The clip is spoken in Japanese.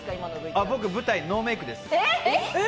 僕、舞台ノーメイクです。